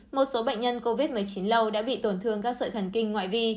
một số bệnh nhân covid một mươi chín lâu đã bị tổn thương các sợi thần kinh ngoại vi